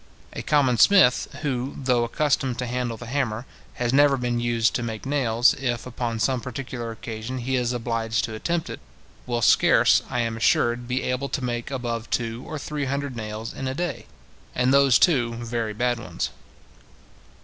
A common smith, who, though accustomed to handle the hammer, has never been used to make nails, if, upon some particular occasion, he is obliged to attempt it, will scarce, I am assured, be able to make above two or three hundred nails in a day, and those, too, very bad ones.